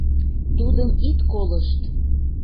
— Тудым ит колышт!